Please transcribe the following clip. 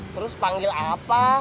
terus panggil apa